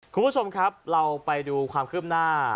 คุณผู้ชมครับเราไปดูความคืบหน้า